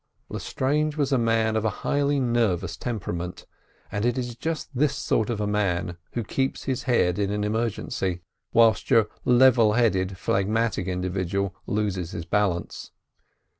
Lestrange was a man of a highly nervous temperament, and it is just this sort of man who keeps his head in an emergency, whilst your level headed, phlegmatic individual loses his balance.